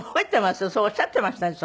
そうおっしゃっていましたね